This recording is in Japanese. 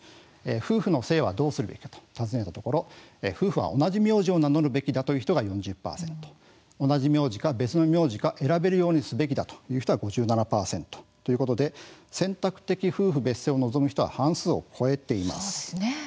夫婦の姓はどうするべきかと尋ねたところ夫婦は同じ名字を名乗るべきだという人は４０％同じ名字か別の名字か選べるようにすべきだという人は５７％ということで選択的夫婦別姓を望む人は半数を超えています。